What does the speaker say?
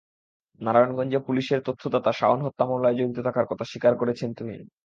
নারায়ণগঞ্জে পুলিশের তথ্যদাতা শাওন হত্যা মামলায় জড়িত থাকার কথা স্বীকার করেছেন তুহিন।